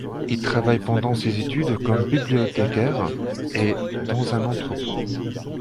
Il travaille pendant ses études comme bibliothécaire et dans un entrepôt.